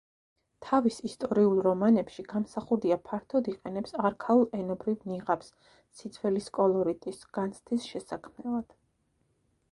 თავის ისტორიულ რომანებში გამსახურდია ფართოდ იყენებს არქაულ ენობრივ ნიღაბს სიძველის კოლორიტის, განცდის შესაქმნელად.